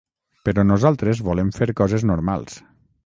Però nosaltres volem fer coses normals.